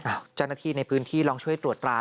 เจ้าหน้าที่ในพื้นที่ลองช่วยตรวจตรา